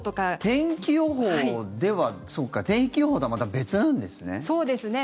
天気予報ではそうか、天気予報とはまた別なんですね。